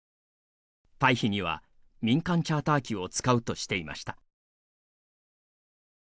退避には民間チャーター機を使うとしていました。